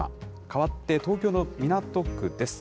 かわって東京の港区です。